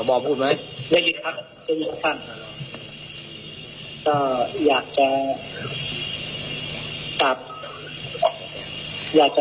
ก็อยากจะอยากจะ